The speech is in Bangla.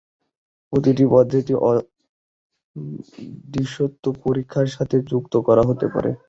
এই পদ্ধতিটি দৃশ্যত পরীক্ষার সাথে যুক্ত করা যেতে পারে।